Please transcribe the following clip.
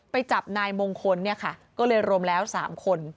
ไปจับนายมงคลเนี่ยค่ะก็เลยรวมแล้ว๓คน